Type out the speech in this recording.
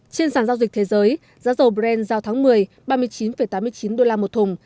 trên sàn giao dịch thế giới giá dầu brent giao tháng một mươi ba mươi chín tám mươi chín đô la một thùng